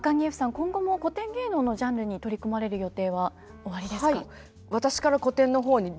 今後も古典芸能のジャンルに取り組まれる予定はおありですか？